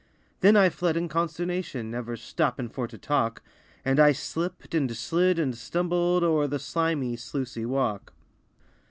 Then I fled in consternation, Never stoppin' for to talk, And I slipped and slid and stumbled O'er the slimy, sluicy walk.